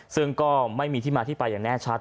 ซึ่งก็ไม่มีที่มาที่ไปอย่างแน่ชัด